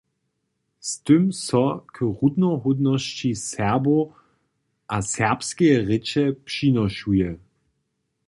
Z tym so k runohódnosći Serbow a serbskeje rěče přinošuje.